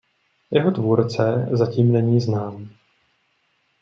Jeho tvůrce zatím není znám.